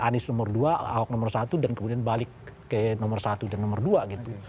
anies nomor dua ahok nomor satu dan kemudian balik ke nomor satu dan nomor dua gitu